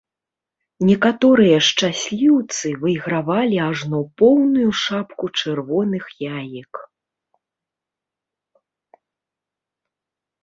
Некаторыя шчасліўцы выйгравалі ажно поўную шапку чырвоных яек.